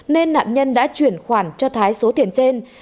nên nạn nhân đã chuyển khoản cho thái số tiền trên